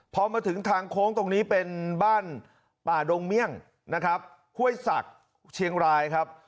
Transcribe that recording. พอมาถึงทางโค้งตรงนี้เป็นบ้านป่าดงเมี่ยงนะครับห้วยศักดิ์เชียงรายครับ